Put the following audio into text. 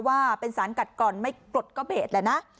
ว่าเป็นสารกัดก่อนไม่กรดก็เบสแล้วนะ